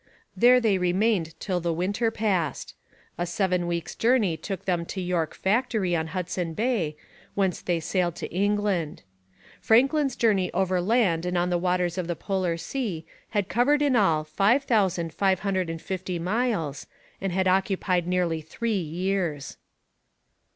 There they remained till the winter passed. A seven weeks' journey took them to York Factory on Hudson Bay, whence they sailed to England. Franklin's journey overland and on the waters of the polar sea had covered in all five thousand five hundred and fifty miles and had occupied nearly three years.